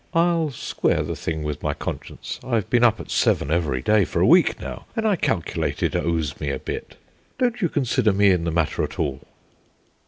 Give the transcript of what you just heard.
I'll square the thing with my conscience; I've been up at seven every day for a week now, and I calculate it owes me a bit. Don't you consider me in the matter at all."